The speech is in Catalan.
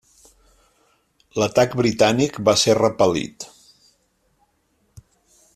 L'atac britànic va ser repel·lit.